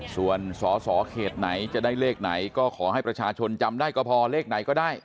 ส่วนสอสอเขตไหนจะได้เลขไหนก็ขอให้ประชาชนจำได้ก็พอเลขไหนก็ได้